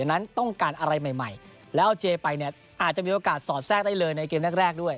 นั้นต้องการอะไรใหม่แล้วเอาเจไปเนี่ยอาจจะมีโอกาสสอดแทรกได้เลยในเกมแรกด้วย